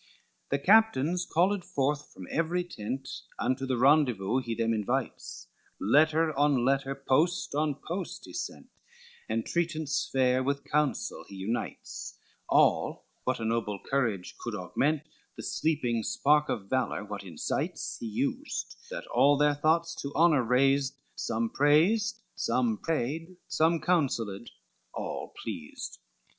XIX The captains called forthwith from every tent, Unto the rendezvous he them invites; Letter on letter, post on post he sent, Entreatance fair with counsel he unites, All, what a noble courage could augment, The sleeping spark of valor what incites, He used, that all their thoughts to honor raised, Some praised, some paid, some counselled, all pleased.